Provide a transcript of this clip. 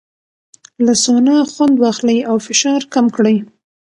له سونا خوند واخلئ او فشار کم کړئ.